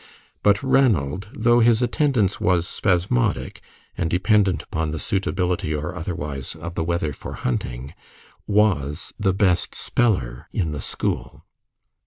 But Ranald, though his attendance was spasmodic, and dependent upon the suitability or otherwise of the weather for hunting, was the best speller in the school.